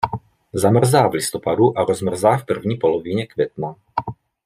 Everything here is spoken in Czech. Zamrzá v listopadu a rozmrzá v první polovině května.